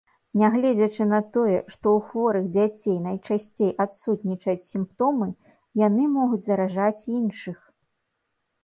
Нягледзячы на тое, што ў хворых дзяцей найчасцей адсутнічаюць сімптомы, яны могуць заражаць іншых.